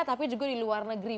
tapi juga di luar negeri